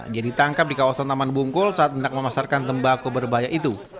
dia ditangkap di kawasan taman bungkol saat menak memasarkan tembakau berbahaya itu